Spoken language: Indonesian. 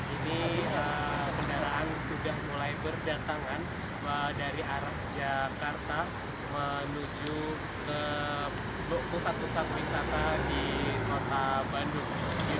ini kendaraan sudah mulai berdatangan dari arah jakarta menuju ke pusat pusat wisata di kota bandung